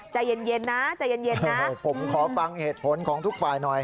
ใจเย็นนะใจเย็นนะผมขอฟังเหตุผลของทุกฝ่ายหน่อย